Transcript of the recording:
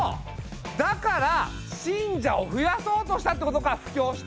だから信者を増やそうとしたってことか布教して！